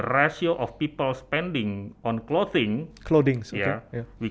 rasio penggunaan di pakaian